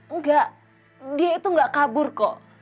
enggak dia itu nggak kabur kok